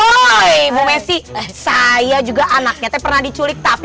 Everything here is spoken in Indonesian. ngadar culik orang kamu enggak tahu kan woi bu messi saya juga anaknya pernah diculik tapi